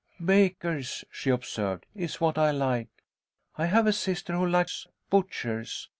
"Bakers," she observed, "is what I like. I have a sister who likes butchers.